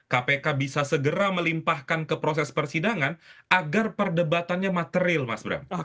kpk bisa segera melimpahkan ke proses persidangan agar perdebatannya material mas bram